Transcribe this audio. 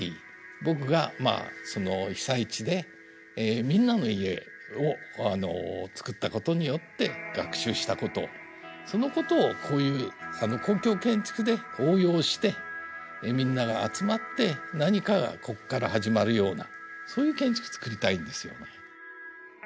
僕がまあその被災地でみんなの家を作ったことによって学習したことそのことをこういう公共建築で応用してみんなが集まって何かがここから始まるようなそういう建築作りたいんですよね。